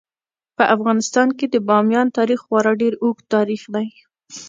په افغانستان کې د بامیان تاریخ خورا ډیر اوږد تاریخ دی.